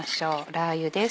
ラー油です